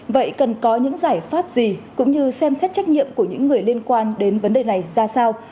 vậy cần có những giải pháp gì cũng như xem xét trách nhiệm của những người liên quan đến vấn đề này ra sao